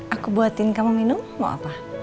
aku buatin kamu minum mau apa